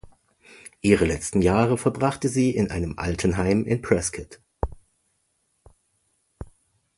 Ihre letzten Jahre verbrachte sie in einem Altenheim in Prescott.